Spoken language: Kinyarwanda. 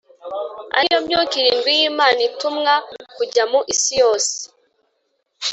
ari yo Myuka irindwi y’Imana itumwa kujya mu isi yose.